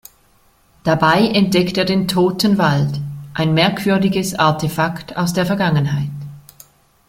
Dabei entdeckt er den „toten Wald“, ein merkwürdiges Artefakt aus der Vergangenheit.